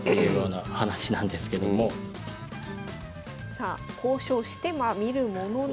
さあ交渉してみるものの。